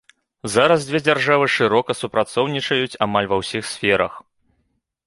Зараз дзве дзяржавы шырока супрацоўнічаюць амаль ва ўсіх сферах.